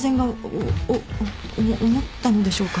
おおも思ったのでしょうか。